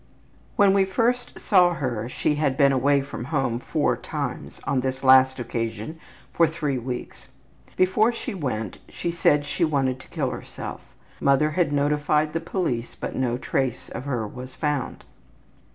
'' When we first saw her she had been away from home four times, on this last occasion for three weeks. Before she went she had said she wanted to kill herself. Mother had notified the police but no trace of her was found.